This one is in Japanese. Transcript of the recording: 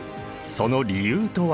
その理由とは？